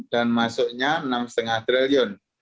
dan masuknya rp enam lima triliun